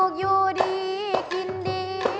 ธรรมดา